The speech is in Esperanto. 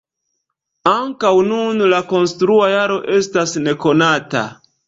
Ankaŭ nun la konstrua jaro estas nekonata.